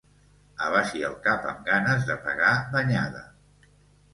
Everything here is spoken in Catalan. Abaixi el cap amb ganes de pegar banyada.